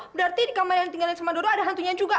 berarti di kamar yang tinggalin sama dodo ada hantunya juga